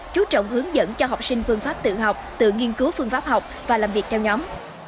chú trọng hướng dẫn cho học sinh phương pháp tự học tự nghiên cứu phương pháp học và làm việc theo nhóm